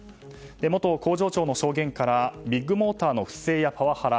元工場長の証言からビッグモーターの不正やパワハラ